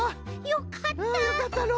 よかったの。